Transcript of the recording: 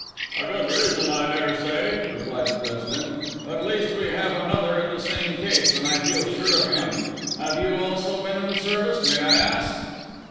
"A good reason, I daresay," replied the President; "at least, we have another in the same case, and I feel sure of him. Have you also been in the Service, may I ask?"